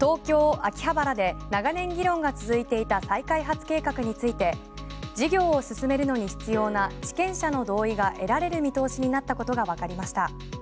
東京・秋葉原で長年議論が続いていた再開発計画について事業を進めるのに必要な地権者の同意が得られる見通しになったことがわかりました。